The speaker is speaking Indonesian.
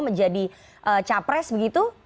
menjadi capres begitu